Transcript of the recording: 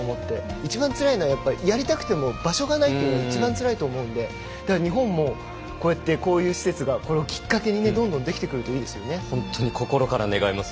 一番つらいのはやりたくても場所がないのがつらいと思うので日本もこうやってこういう施設がこれをきっかけにどんどんできてくると本当に心から願います。